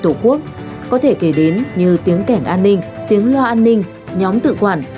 tổ quốc có thể kể đến như tiếng kẻn an ninh tiếng lo an ninh nhóm tự quản